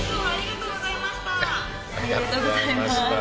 ありがとうございます。